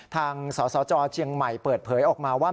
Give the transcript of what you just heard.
สสจเชียงใหม่เปิดเผยออกมาว่า